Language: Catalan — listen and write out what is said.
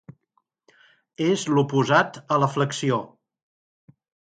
És l'oposat a la flexió.